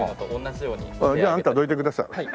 じゃああんたどいてください。